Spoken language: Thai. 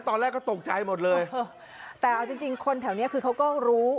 ตอนแรกก็ตกใจหมดเลยแต่เอาจริงจริงคนแถวเนี้ยคือเขาก็รู้